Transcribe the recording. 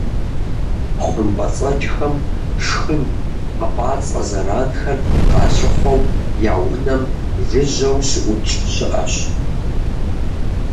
ХъумпӀэцӀэджхэм шхын - хьэпӀацӀэ зэранхэр - къалъыхъуэу я «унэм» жыжьэу щыӀукӀ щыӀэщ.